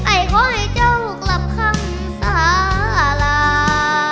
ไอ้ขอให้เจ้ากลับค่ำสหรา